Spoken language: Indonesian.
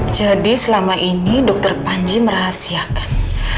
jadi selama ini dokter panji merahasiakan